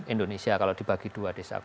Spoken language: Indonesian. indonesia kalau dibagi dua desa